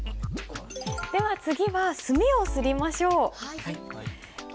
では次は墨を磨りましょう。